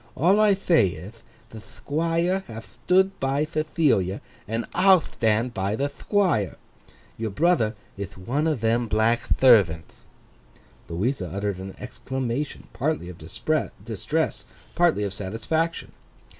All I thay ith, the Thquire hath thtood by Thethilia, and I'll thtand by the Thquire. Your brother ith one them black thervanth.' Louisa uttered an exclamation, partly of distress, partly of satisfaction.